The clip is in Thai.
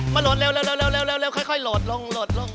มาโหลดเร็วค่อยโหลดลง